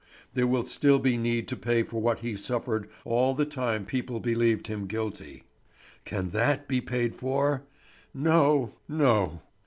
There would still be need to pay for what he suffered all the time people believed him guilty. Can that be paid for? No! No!"